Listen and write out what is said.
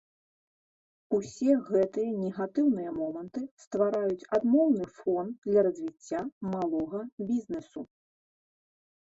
Усе гэтыя негатыўныя моманты ствараюць адмоўны фон для развіцця малога бізнесу.